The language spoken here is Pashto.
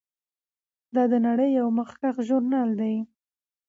دا د نړۍ یو مخکښ ژورنال دی.